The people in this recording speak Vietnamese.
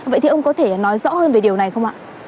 vậy thì ông có thể nói rõ hơn về điều này không ạ